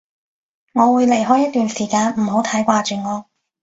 我會離開一段時間，唔好太掛住我